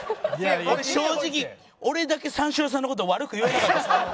俺正直俺だけ三四郎さんの事悪く言えなかったです。